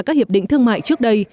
các hiệp định thương mại trước đây